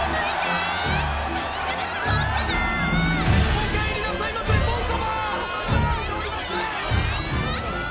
おかえりなさいませボン様！